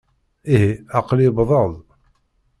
Ihi, aql-i wwḍeɣ-d.